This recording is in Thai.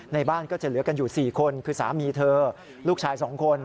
ในบ้านก็จะเหลือกันอยู่๔คนคือสามีเธอลูกชาย๒คน